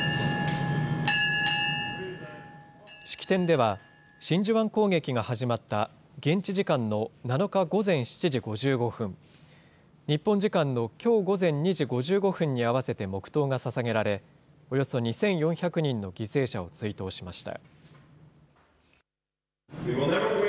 式典では、真珠湾攻撃が始まった現地時間の７日午前７時５５分、日本時間のきょう午前２時５５分に合わせて黙とうがささげられ、およそ２４００人の犠牲者を追悼しました。